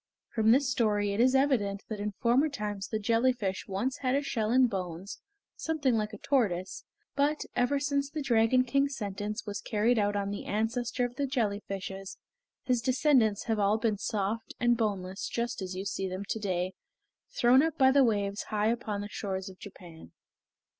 From this story it is evident that in former times the jellyfish once had a shell and bones something like a tortoise, but, ever since the Dragon King's sentence was carried out on the ancestor of the jelly fishes, his descendants have all been soft and boneless just as you see them to day thrown up by the waves high upon the shores of Japan.